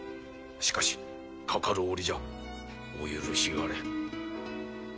しかしかかる折じゃお許しあれ。